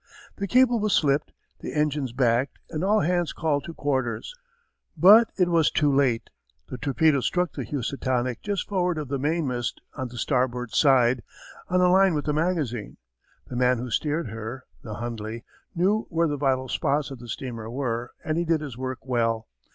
The cable was slipped, the engines backed, and all hands called to quarters. But it was too late the torpedo struck the Housatonic just forward of the mainmast, on the starboard side, on a line with the magazine. The man who steered her (the Hundley) knew where the vital spots of the steamer were and he did his work well.